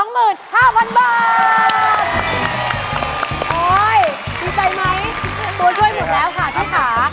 ดีใจไหมตัวช่วยหมดแล้วค่ะพี่ขา